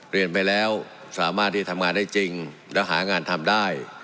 เรียนไปแล้วสามารถที่จะทำงานได้จริงแล้วหางานทำได้